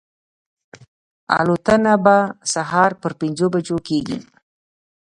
الوتنه به سهار پر پنځو بجو کېږي.